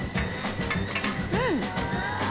うん！